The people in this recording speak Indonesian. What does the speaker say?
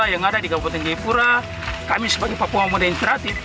yang ada di kabupaten jayapura kami sebagai papua mode interaktif